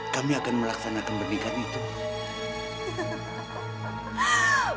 kami akan melaksanakan pernikahan itu